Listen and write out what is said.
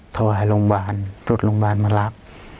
โทรให้โรงพยาบาลรุดโรงพยาบาลมารับ